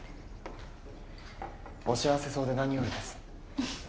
お幸せそうで何よりです。